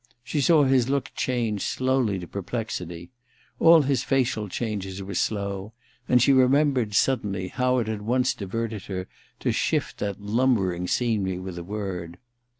She saw his look change slowly to perplexity. All his facial changes were slow, and she remembered, sud denly, how it had once diverted her to shift that lumbering scenery with a word.